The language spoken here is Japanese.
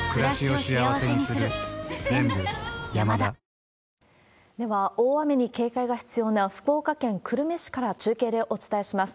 ニトリでは、大雨に警戒が必要な福岡県久留米市から中継でお伝えします。